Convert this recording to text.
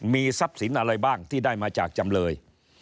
มีทรัพย์สินอะไรบ้างที่ได้มาจากจำเลย